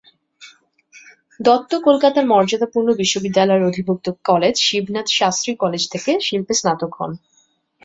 দত্ত কলকাতার মর্যাদাপূর্ণ বিশ্ববিদ্যালয়ের অধিভুক্ত কলেজ শিবনাথ শাস্ত্রী কলেজ থেকে শিল্পে স্নাতক হন।